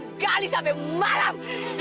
sekali sampai malam